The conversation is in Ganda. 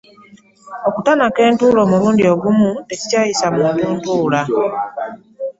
Okutanaka entula omulundi ogumu tekikyayisa muntu ntula .